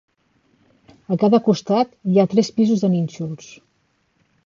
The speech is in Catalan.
A cada costat hi ha tres pisos de nínxols.